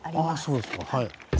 そうですか。